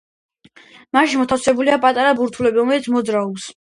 მასში მოთავსებულია პატარა ბურთულები რომელიც მოძრაობს.